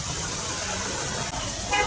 kota yang terkenal dengan